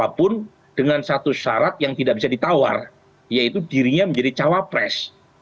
siapapun dengan satu syarat yang tidak bisa ditawar yaitu dirinya menjadi cawapres